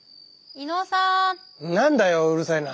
何だようるさいな。